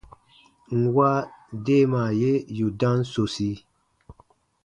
Nwa deemaa ye yù dam sosi.